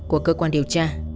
của cơ quan điều tra